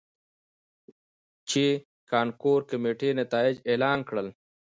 ،چې کانکور کميټې نتايج اعلان کړل.